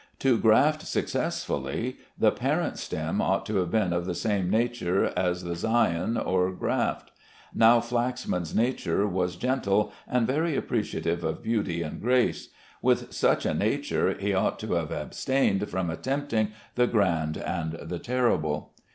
To graft successfully, the parent stem ought to be of the same nature as the scion or graft. Now Flaxman's nature was gentle, and very appreciative of beauty and grace. With such a nature he ought to have abstained from attempting the grand and the terrible.